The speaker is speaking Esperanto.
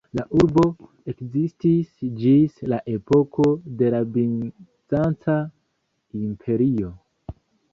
La urbo ekzistis ĝis la epoko de la Bizanca Imperio.